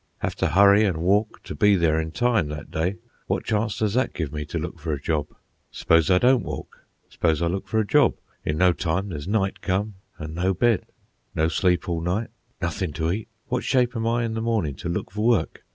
Have to hurry an' walk to be there in time that day. What chance does that give me to look for a job? S'pose I don't walk. S'pose I look for a job? In no time there's night come, an' no bed. No sleep all night, nothin' to eat, what shape am I in in the mornin' to look for work?